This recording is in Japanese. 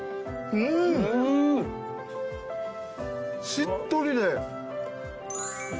うんしっとりで。